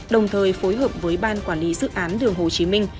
đồng thời phối hợp với ban quản lý dự án đường hồ chí minh